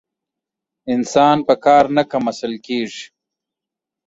انسان په کار نه کم اصل کېږي.